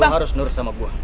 lo harus nurus sama gue